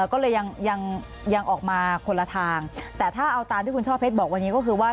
ก็เลยยังออกมาคนละทางแต่ถ้าเอาตามที่คุณช่อเพชรบอกวันนี้ก็คือว่า